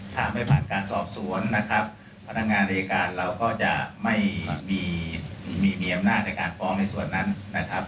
ถ้าไม่ผ่านการสอบสวนนะครับพนักงานอายการเราก็จะไม่มีมีอำนาจในการฟ้องในส่วนนั้นนะครับ